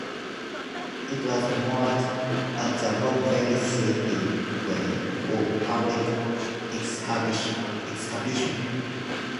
It was moored at the Rock Ferry slipway for public exhibition.